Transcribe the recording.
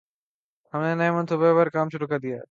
ہم نے نئے منصوبے پر کام شروع کر دیا ہے۔